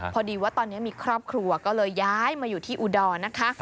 พอดีว่าตอนนี้มีครอบครัวก็เลยย้ายมาอยู่ที่อุดรนะคะ